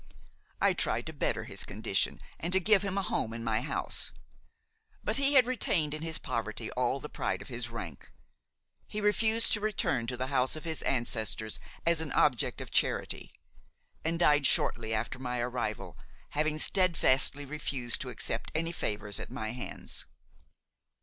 I tried to better his condition and to give him a home in my house; but he had retained in his poverty all the pride of his rank. He refused to return to the house of his ancestors as an object of charity, and died shortly after my arrival, having steadfastly refused to accept any favors at my hands.